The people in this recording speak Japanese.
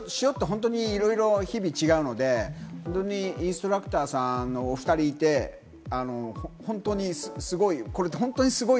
本当にいろいろ日々違うので、インストラクターさんもお２人いて、本当にすごい。